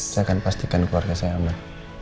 saya akan pastikan keluarga saya aman